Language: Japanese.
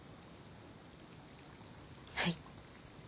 はい。